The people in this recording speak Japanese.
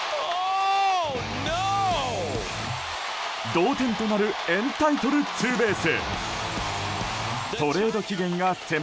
同点となるエンタイトルツーベース。